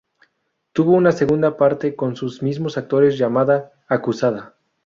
Tuvo una segunda parte con sus mismos actores llamada "Acusada".